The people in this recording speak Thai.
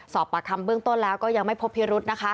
สอบปากคำเบื้องต้นแล้วก็ยังไม่พบพิรุธนะคะ